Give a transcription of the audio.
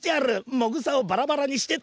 もぐさをバラバラにしてと。